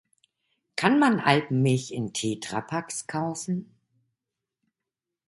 Kann man Alpenmilch in Tetra Paks kaufen?